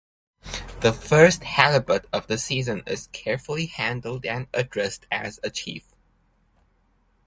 The first halibut of the season is carefully handled and addressed as a chief.